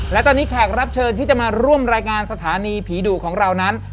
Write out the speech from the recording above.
และตอนนี้แขกรับเชิญที่จะมาร่วมรายการสถานีผีดุของเรานั้น